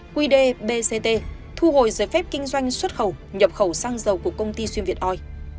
quy đề bct thu hồi giấy phép kinh doanh xuất khẩu nhập khẩu xăng dầu của công ty xuyên việt oi